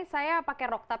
saya pakai rukta